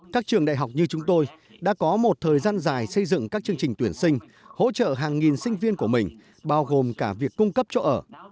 các trường đại học như chúng tôi đã có một thời gian dài xây dựng các chương trình tuyển sinh hỗ trợ hàng nghìn sinh viên của mình bao gồm cả việc cung cấp chỗ ở